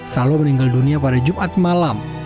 salo meninggal dunia pada jumat malam